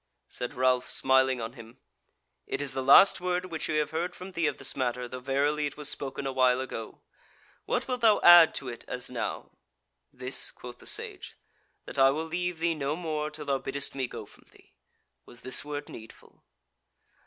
Said Ralph, smiling on him: "It is the last word which we have heard from thee of this matter, though verily it was spoken a while ago. What wilt thou add to it as now?" "This," quoth the Sage, "that I will leave thee no more till thou biddest me go from thee. Was this word needful?"